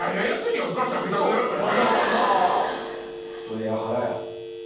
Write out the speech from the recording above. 「エアハラ」や。